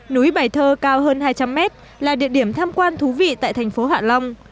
núi bài thơ cao hơn hai trăm linh mét là địa điểm tham quan thú vị tại thành phố hạ long